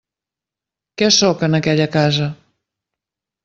Què sóc en aquella casa?